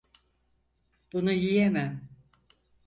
Bunu yiyemem.